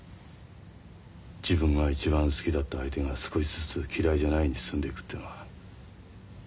自分が一番好きだった相手が少しずつ「嫌いじゃない」に進んでいくっていうのは。